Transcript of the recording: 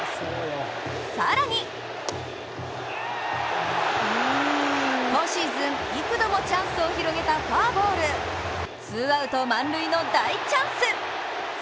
更に今シーズン幾度もチャンスを広げたフォアボールツーアウト満塁の大チャンス！